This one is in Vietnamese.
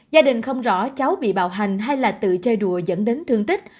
gia đình không rõ cháu bị bạo hành hay là tự chơi đùa dẫn đến thương tích